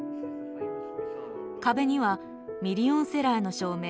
壁にはミリオンセラーの証明